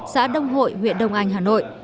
xã đông hội huyện đông anh hà nội